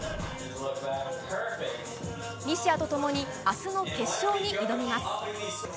西矢と共に明日の決勝に挑みます。